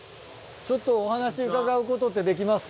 ちょっとお話伺うことってできますか？